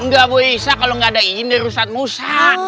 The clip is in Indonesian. gak bisa kalo gak ada izin dari ustadz musa